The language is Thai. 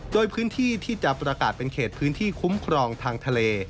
โดยพื้นที่ที่จะประกาศเป็นเขตพื้นที่คุ้มครองทางทะเล